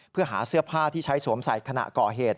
เพื่อหาเสื้อผ้าที่ใช้สวมใส่ขณะก่อเหตุ